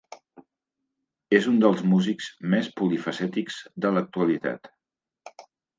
És un dels músics més polifacètics de l'actualitat.